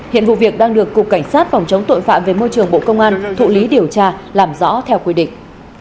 hiện vụ việc đang được cục cảnh sát phòng chống tội phạm về môi trường bộ công an thụ lý điều tra làm rõ theo quy định